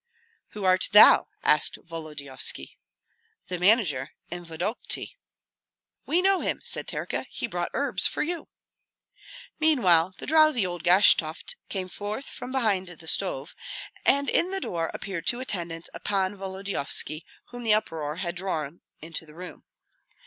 "Who art thou?" asked Volodyovski. "The manager in Vodokty." "We know him," said Terka; "he brought herbs for you." Meanwhile the drowsy old Gashtovt came forth from behind the stove, and in the door appeared two attendants of Pan Volodyovski whom the uproar had drawn to the room.